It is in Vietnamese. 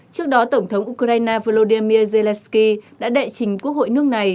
trước đó tổng thống ukraine volodymyr zelensky đã đệ trình quốc hội nước này